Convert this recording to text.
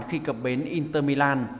khi cập bến inter milan